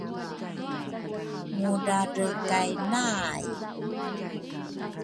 Ngudradrekay nay